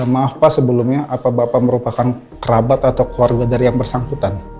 maaf pak sebelumnya apa bapak merupakan kerabat atau keluarga dari yang bersangkutan